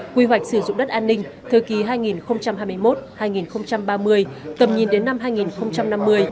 quy hoạch sử dụng đất an ninh thời kỳ hai nghìn hai mươi một hai nghìn ba mươi tầm nhìn đến năm hai nghìn năm mươi